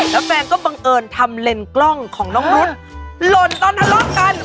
แล้วแฟนก็บังเอิญทำเลนส์กล้องของน้องรุ้นหล่นตอนทะเลาะกัน